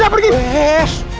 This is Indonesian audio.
pergi pergi pergi